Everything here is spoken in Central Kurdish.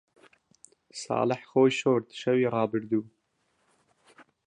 ساڵح خۆی شۆرد، شەوی ڕابردوو.